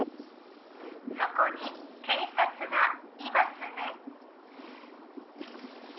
そこに警察がいますね？